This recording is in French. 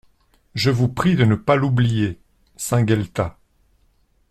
Je vous prie de ne pas l'oublier ! SAINT-GUELTAS.